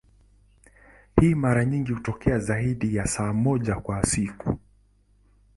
Hii mara nyingi hutokea zaidi ya saa moja kwa siku.